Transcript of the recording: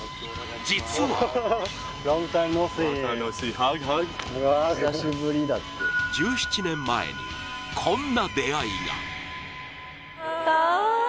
実は１７年前に、こんな出会いが。